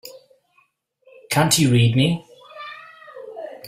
Can't you read me?